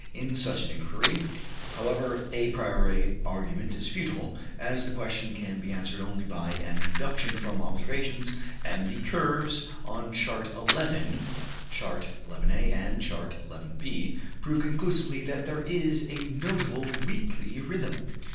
In such an inquiry, however, a priori argument is futile, as the question can be answered only by an induction from observations, and the curves on Chart 11 (A and B) prove conclusively that there is a notable weekly rhythm.